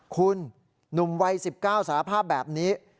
คุณหนุ่มวัย๑๙สารภาพแบบนี้